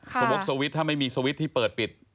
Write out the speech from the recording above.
สวกสวิตช์ถ้าไม่มีสวิตช์ที่เปิดปิด